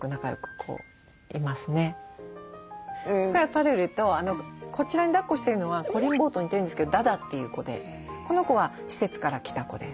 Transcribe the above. これはぱるるとこちらにだっこしてるのはこりん坊と似てるんですけどダダという子でこの子は施設から来た子です。